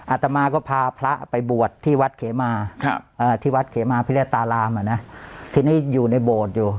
อาตมาก็พาพระไปบวชที่วัดเขมาที่วัดเขมาพิรตารามทีนี้อยู่ในโบสถ์อยู่